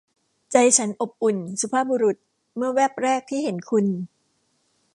ใจฉันอบอุ่น สุภาพบุรุษ เมื่อแว่บแรกที่เห็นคุณ